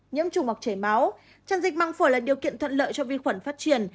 nhiễm trùng hoặc trẻ máu tràn dịch măng phổi là điều kiện thuận lợi cho vi khuẩn phát triển